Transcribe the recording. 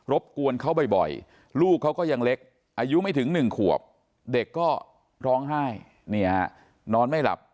บกวนเขาบ่อยลูกเขาก็ยังเล็กอายุไม่ถึง๑ขวบเด็กก็ร้องไห้นอนไม่หลับ